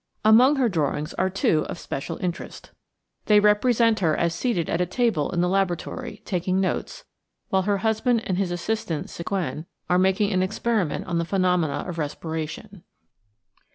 Among her drawings are two of special interest. They represent her as seated at a table in the laboratory, taking notes, while her husband and his assistant, Seguin, are making an experiment on the phenomena of respiration.